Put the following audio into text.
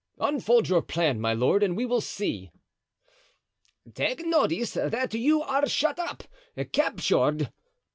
"Unfold your plan, my lord, and we will see." "Take notice that you are shut up—captured."